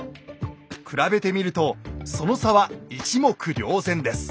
比べてみるとその差は一目瞭然です。